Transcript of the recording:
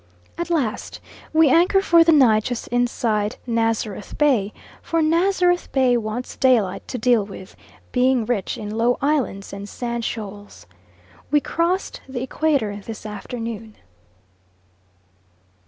At last we anchor for the night just inside Nazareth Bay, for Nazareth Bay wants daylight to deal with, being rich in low islands and sand shoals. We crossed the Equator this afternoon.